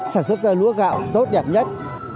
sản xuất ra lúa gạo tốt đẹp nhất